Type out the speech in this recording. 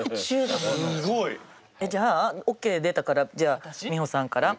じゃあオッケー出たからじゃあ美穂さんから。